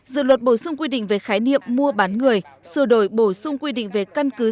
dự luật bổ sung quy định về khái niệm mua bán người sửa đổi bổ sung quy định về căn cứ